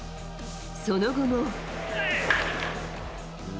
その後も。